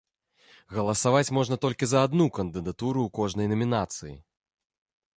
Галасаваць можна толькі за адну кандыдатуру ў кожнай намінацыі.